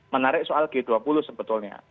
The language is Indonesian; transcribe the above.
menarik soal g dua puluh sebetulnya